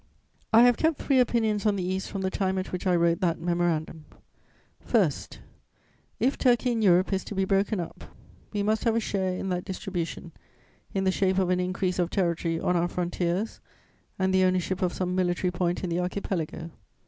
I have kept three opinions on the East from the time at which I wrote that Memorandum: First, if Turkey in Europe is to be broken up, we must have a share in that distribution in the shape of an increase of territory on our frontiers and the ownership of some military point in the Archipelago.